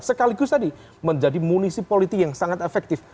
sekaligus tadi menjadi munisi politik yang sangat efektif